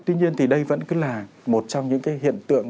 tuy nhiên thì đây vẫn cứ là một trong những cái hiện tượng